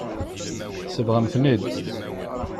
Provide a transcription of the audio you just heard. Tsebɣem-ten-id.